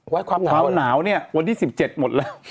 ความหนาวเนี่ยวันที่๑๗หมดแล้ว